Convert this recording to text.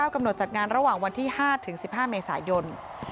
กำหนดจัดงานระหว่างวันที่๕ถึง๑๕เมษายน